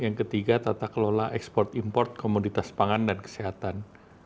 yang ketiga tata kelola ekspor import komoditas pangan dan kesehatan